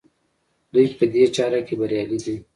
دوی په دې چاره کې بریالي دي.